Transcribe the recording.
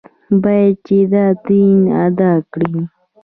باید چې دا دین ادا کړي.